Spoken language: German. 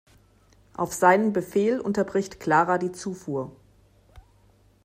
Auf seinen Befehl unterbricht Clara die Zufuhr.